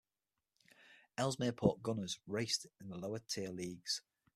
Ellesmere Port Gunners raced in the lower tier Leagues.